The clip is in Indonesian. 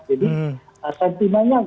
jadi sentimanya agak